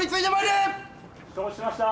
承知しました。